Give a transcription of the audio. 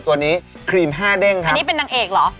ตัวนี้ครีมห้าเด้งครับอันนี้เป็นนางเอกเหรอ